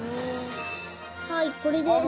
はいこれです。